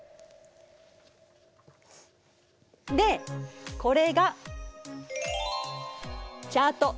でこれが「チャート」。